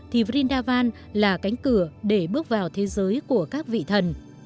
thì brindavan là cánh cửa để bước vào thế giới của các vị thần